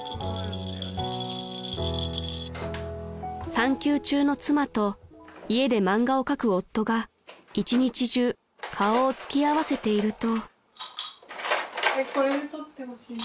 ［産休中の妻と家で漫画を描く夫が一日中顔を突き合わせていると］